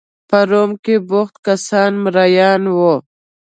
په روم کې بوخت کسان مریان وو.